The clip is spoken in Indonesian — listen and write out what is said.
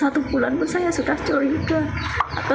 satu bulan pun saya sudah curiga